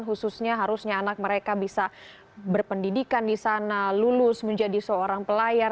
khususnya harusnya anak mereka bisa berpendidikan di sana lulus menjadi seorang pelayar